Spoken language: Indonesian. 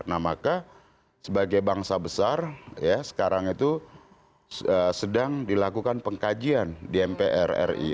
nah maka sebagai bangsa besar ya sekarang itu sedang dilakukan pengkajian di mpr ri